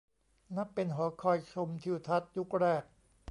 นับเป็นหอคอยชมทิวทัศน์ยุคแรก